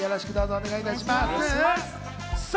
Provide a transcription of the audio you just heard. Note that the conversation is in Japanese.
お願いします。